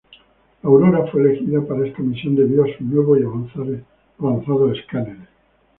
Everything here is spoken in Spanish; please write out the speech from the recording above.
La Aurora fue elegida para esta misión debido a sus nuevos y avanzados escáneres.